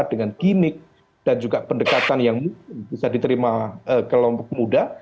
dengan gimmick dan juga pendekatan yang bisa diterima kelompok muda